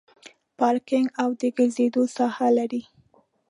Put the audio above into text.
پارکینګ او د ګرځېدو ساحه لري.